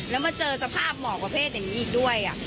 แล้วมาเจอสภาพเหมาะกับเพศอย่างนี้อีกด้วยอ่ะ